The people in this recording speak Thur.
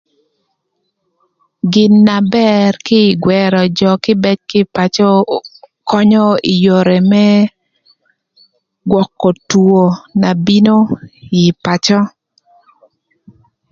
Gin na bër kï ï gwërö jö kïbëc kï ï pacö könyö ï yore më gwökö two na bino ï pacö.